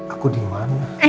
aku di mana